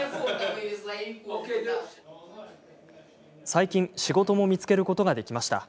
最近、仕事も見つけることができました。